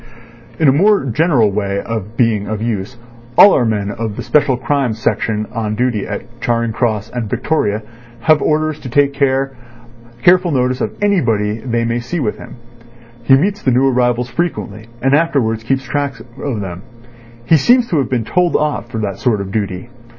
"In a more general way of being of use, all our men of the Special Crimes section on duty at Charing Cross and Victoria have orders to take careful notice of anybody they may see with him. He meets the new arrivals frequently, and afterwards keeps track of them. He seems to have been told off for that sort of duty.